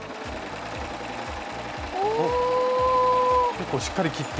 結構しっかり切って。